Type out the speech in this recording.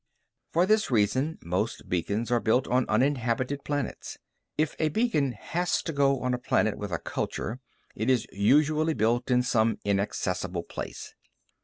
For this reason, most beacons are built on uninhabited planets. If a beacon has to go on a planet with a culture, it is usually built in some inaccessible place.